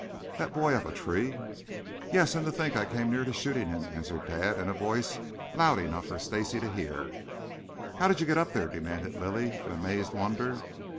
"That boy up a tree?" "Yes, and to think I came near shooting him," answered Tad, in a voice loud enough for Stacy to hear. "How did you get up there?" demanded Lilly in amazed wonder.